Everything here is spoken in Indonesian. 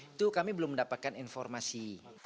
itu kami belum mendapatkan informasi